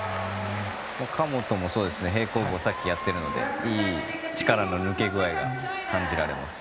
神本も平行棒をさっきやっているのでいい力の抜け具合が感じられます。